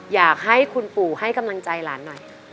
อยากให้คุณปู่ให้กำลังใจหลานหน่อย